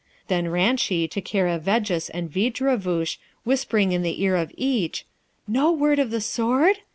Then ran she to Karavejis and Veejravoosh, whispering in the ear of each, 'No word of the Sword?'